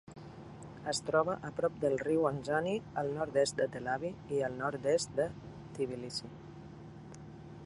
Es troba a prop del riu Alazani, al nord-oest de Telavi i al nord-est de Tbilissi.